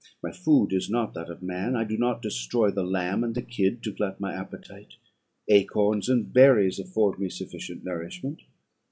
My food is not that of man; I do not destroy the lamb and the kid to glut my appetite; acorns and berries afford me sufficient nourishment.